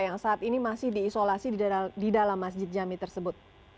yang saat ini masih diisolasi di dalam masjid jami tersebut